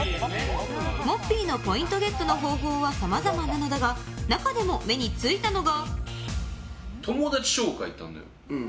モッピーのポイントゲットの方法はさまざまなのだが中でも目に付いたのが。